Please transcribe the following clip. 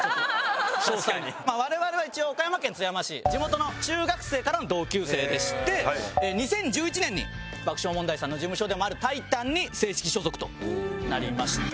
我々は一応岡山県津山市地元の中学生からの同級生でして２０１１年に爆笑問題さんの事務所でもあるタイタンに正式所属となりました。